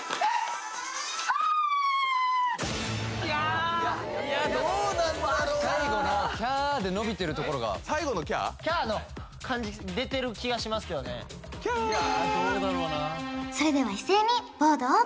いやーっ・最後のキャーで伸びてるところがキャーの感じ出てる気がしますけどねキャーッいやー